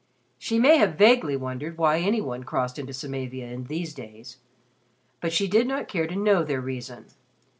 She may have vaguely wondered why any one crossed into Samavia in these days. But she did not care to know their reason.